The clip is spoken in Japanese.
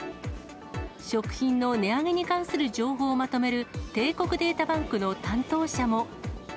食品の値上げに関する情報をまとめる帝国データバンクの担当者も。